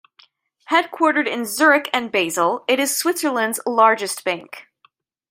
Headquartered in Zurich and Basel, it is Switzerland's largest bank.